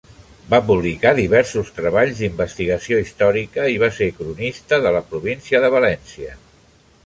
Va publicar diversos treballs d'investigació històrica i va ser cronista de la Província de València.